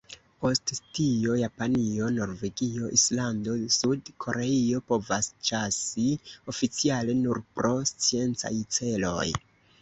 Post tio Japanio, Norvegio, Islando, Sud-Koreio povas ĉasi oficiale nur pro sciencaj celoj.